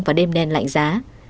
vào đêm đen lạnh giá